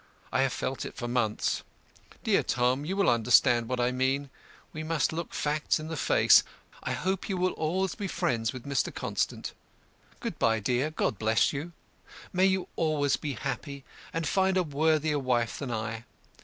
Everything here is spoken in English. I have felt it for months. Dear Tom, you will understand what I mean. We must look facts in the face. I hope you will always be friends with Mr. Constant. Good by, dear. God bless you! May you always be happy, and find a worthier wife than I.